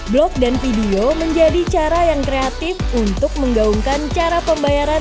blog dan video menjadi cara yang kreatif untuk menggaungkan cara pembayaran